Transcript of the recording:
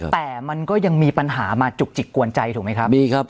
แต่ยังมีปัญหามาจุกกวนใจถูกไหมครับ